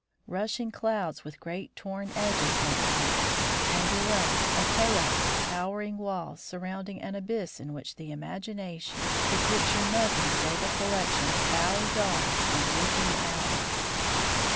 Rushing clouds with great torn edges met my eye, and, below, a chaos of towering walls surrounding an abyss in which the imagination could picture nothing save a collection of foul yards and reeking alleys.